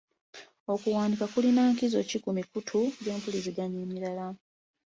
Okuwandiika kulina nkizo ki ku mikutu gy'empuliziganya emirala?